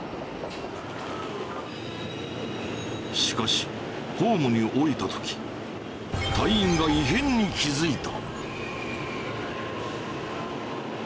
しかしホームに下りたとき隊員が異変に気づいた。